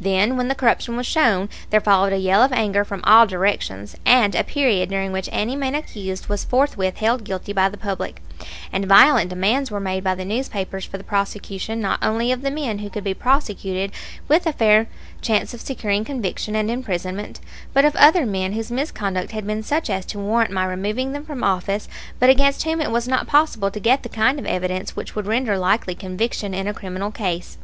Then when the corruption was shown there followed a yell of anger from all directions, and a period during which any man accused was forthwith held guilty by the public; and violent demands were made by the newspapers for the prosecution not only of the men who could be prosecuted with a fair chance of securing conviction and imprisonment, but of other men whose misconduct had been such as to warrant my removing them from office, but against whom it was not possible to get the kind of evidence which would render likely conviction in a criminal case.